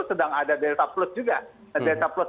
sedang ada delta plus juga delta plus